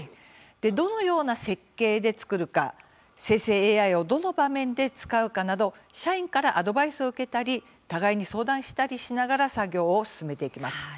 どのような設計で作るか生成ＡＩをどの場面で使うかなど社員からアドバイスを受けたり互いに相談したりしながら作業を進めていきます。